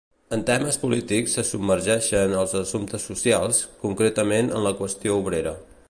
Els temes polítics se submergeixen als assumptes socials, concretament en la qüestió obrera.